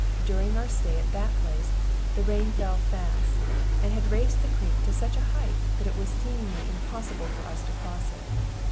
During our stay at that place the rain fell fast, and had raised the creek to such a height that it was seemingly impossible for us to cross it.